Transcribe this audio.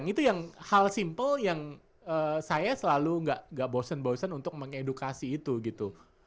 itu yang hal simple yang saya selalu nggak bosen bosen untuk mengedukasi itu gitu